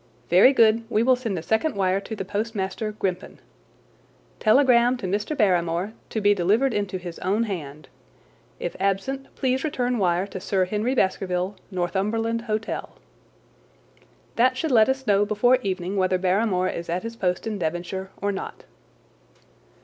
Very good, we will send a second wire to the postmaster, Grimpen: 'Telegram to Mr. Barrymore to be delivered into his own hand. If absent, please return wire to Sir Henry Baskerville, Northumberland Hotel.' That should let us know before evening whether Barrymore is at his post in Devonshire or not."